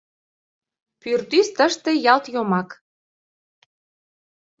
Пӱртӱс тыште ялт йомак!